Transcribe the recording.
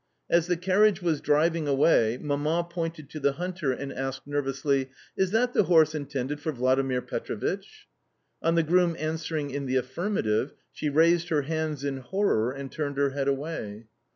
As the carriage was, driving away, Mamma pointed to the hunter and asked nervously "Is that the horse intended for Vladimir Petrovitch?" On the groom answering in the affirmative, she raised her hands in horror and turned her head away.